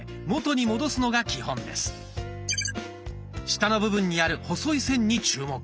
下の部分にある細い線に注目！